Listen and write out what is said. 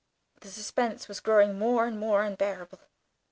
The suspense was growing more and more unbearable.